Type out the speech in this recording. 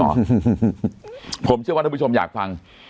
ผมเชื่อว่าวันดับผู้ชมอยากฟัง